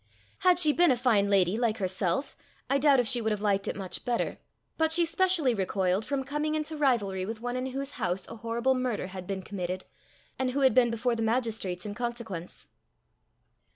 Had she been a fine lady like herself, I doubt if she would have liked it much better; but she specially recoiled from coming into rivalry with one in whose house a horrible murder had been committed, and who had been before the magistrates in consequence.